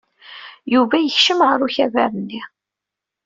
Yuba yekcem ɣer ukabar-nni.